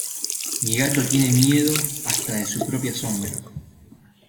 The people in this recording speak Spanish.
Mi gato tiene miedo hasta de su propia sombra.